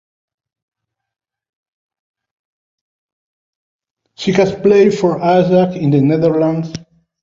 She has played for Ajax in the Netherlands.